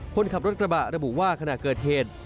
คนขับรถกระบะระบุว่าขณะเกิดเหตุ